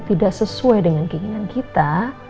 tidak sesuai dengan keinginan kita